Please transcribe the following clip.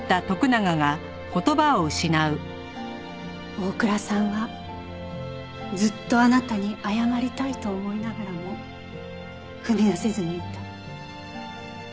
大倉さんはずっとあなたに謝りたいと思いながらも踏み出せずにいた。